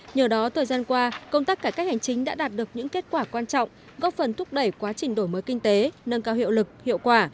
nhờ đó thời gian qua công tác cải cách hành chính đã đạt được những kết quả quan trọng góp phần thúc đẩy quá trình đổi mới kinh tế nâng cao hiệu lực hiệu quả